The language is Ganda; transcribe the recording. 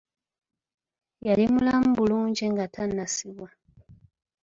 Yali mulamu bulungi nga tannasibwa.